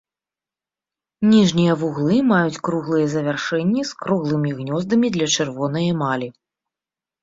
Ніжнія вуглы маюць круглыя завяршэнні з круглымі гнёздамі для чырвонай эмалі.